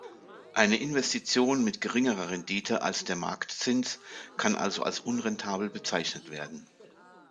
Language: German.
Eine Investition mit geringerer Rendite als der Marktzins kann also als unrentabel bezeichnet werden.